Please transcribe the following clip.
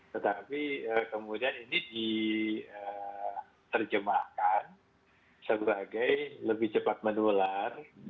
tetapi kemudian ini diterjemahkan sebagai lebih cepat menular